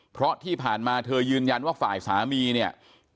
เพราะที่ผ่านมาเธอยืนยันว่าฝ่ายสามีเนี่ย